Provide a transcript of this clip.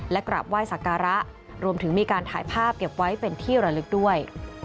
และกราบไหว้สักการะรวมถึงมีการถ่ายภาพเก็บไว้เป็นที่ระลึกด้วย